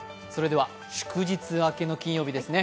祝日明けの金曜日ですね。